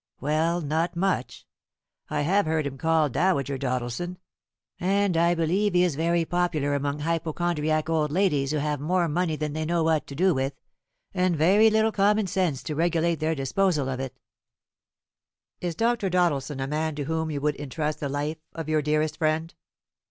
"Well, not much. I have heard him called Dowager Doddleson; and I believe he is very popular among hypochondriac old ladies who have more money than they know what to do with, and very little common sense to regulate their disposal of it." "Is Dr. Doddleson a man to whom you would intrust the life of your dearest friend?"